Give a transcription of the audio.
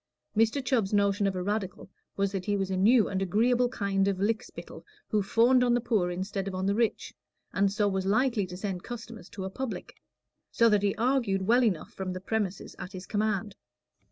Mr. Chubb's notion of a Radical was that he was a new and agreeable kind of lick spittle who fawned on the poor instead of on the rich, and so was likely to send customers to a "public"; so that he argued well enough from the premises at his command.